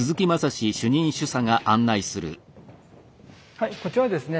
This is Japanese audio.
はいこちらはですね